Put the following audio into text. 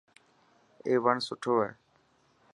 اي وڻ سٺو هي.